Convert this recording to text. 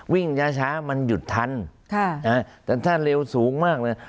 วิ่งช้ามันหยุดทันแต่ถ้าเร็วสูงมากเลย